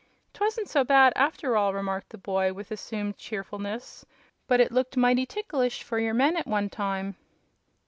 "'Twasn't so bad, after all," remarked the boy, with assumed cheerfulness; "but it looked mighty ticklish for your men at one time."